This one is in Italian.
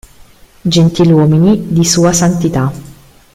Gentiluomini di Sua Santità.